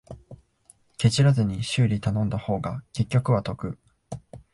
ケチらずに修理頼んだ方が結局は得